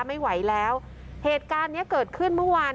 ไม่ไหวแล้วเหตุการณ์เนี้ยเกิดขึ้นเมื่อวาน